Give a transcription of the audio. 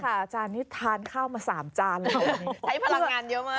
อาจารย์นี่ทานข้าวมา๓จานเลยใช้พลังงานเยอะมาก